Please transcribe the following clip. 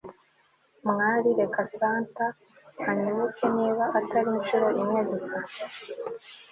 mwami, reka santa anyibuke niba atari inshuro imwe gusa